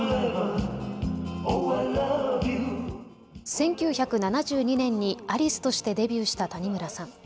１９７２年にアリスとしてデビューした谷村さん。